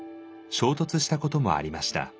衝突したこともありました。